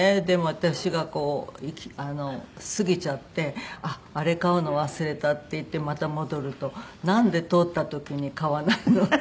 でも私がこう過ぎちゃって「あっあれ買うの忘れた」って言ってまた戻ると「なんで通った時に買わないの？」